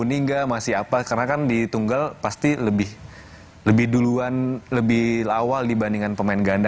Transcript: ningga masih apa karena kan di tunggal pasti lebih duluan lebih awal dibandingkan pemain ganda